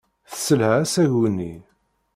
Tesselha asagu-nni.